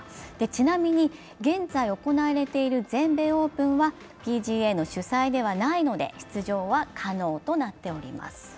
ちなみに現在行われている全米オープンはＰＧＡの主催ではないので出場は可能となっております。